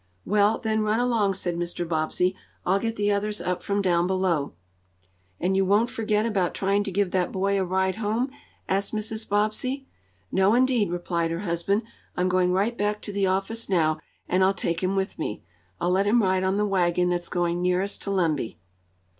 "Well then, run along," said Mr. Bobbsey. "I'll get the others up from down below." "And you won't forget about trying to give that boy a ride home?" asked Mrs. Bobbsey. "No, indeed," replied her husband. "I'm going right back to the office now, and I'll take him with me. I'll let him ride on the wagon that's going nearest to Lemby."